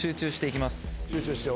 集中して。